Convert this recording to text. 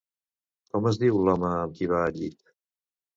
Com es diu l'home amb qui va al llit?